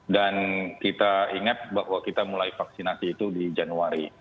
dan kita ingat bahwa kita mulai vaksinasi itu di januari